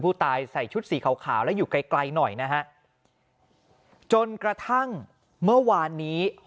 ผู้ตายใส่ชุดสีขาวแล้วอยู่ไกลหน่อยนะฮะจนกระทั่งเมื่อวานนี้